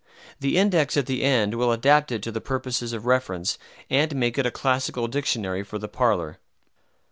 The index at the end will adapt it to the purposes of reference, and make it a Classical Dictionary for the parlor.